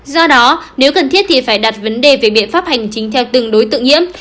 do đó nếu cần thiết thì phải đặt vấn đề về biện pháp hành chính theo từng đối tượng nhiễm